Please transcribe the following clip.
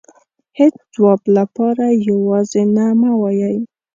هيچ ځواب لپاره يوازې نه مه وايئ .